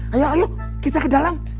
ayo kita ke dalam